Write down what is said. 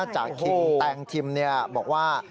จากคิงแตงทิมบอกว่า